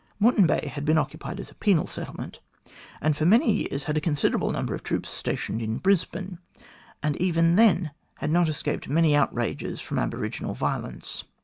Moreton Bay had been occupied as a penal settlement, and for many years had a considerable number of troops stationed in Brisbane, and even then had not escaped many outrages from aboriginal violence.